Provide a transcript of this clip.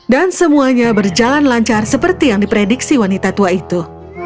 dan semuanya berjalan lancar seperti yang diprediksi wanita tua itu